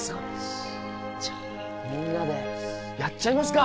じゃあみんなでやっちゃいますか？